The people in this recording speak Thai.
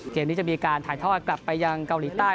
เกมนี้จะมีการถ่ายทอดกลับไปยังเกาหลีใต้